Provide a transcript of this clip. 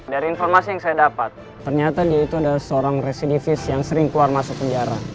dari informasi yang saya dapat ternyata dia itu adalah seorang residivis yang sering keluar masuk penjara